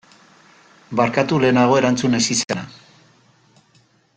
Barkatu lehenago erantzun ez izana.